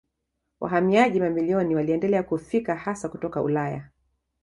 Wahamiaji mamilioni waliendelea kufika hasa kutoka Ulaya.